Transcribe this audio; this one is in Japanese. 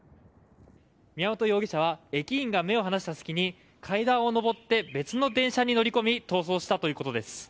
宮本容疑者は駅員が目を離した隙に階段を上って別の電車に乗り込み逃走したということです。